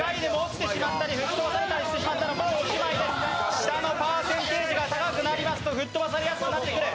下のパーセンテージが高くなりますと、吹っ飛ばされやすくなってくる。